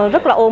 rất là ồn